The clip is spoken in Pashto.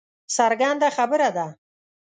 څرګنده خبره ده